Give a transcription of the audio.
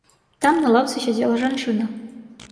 Там на лаўцы сядзела жанчына.